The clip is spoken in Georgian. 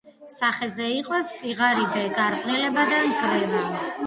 სახეზე იყო სიღარიბე, გარყვნილება, ნგრევა.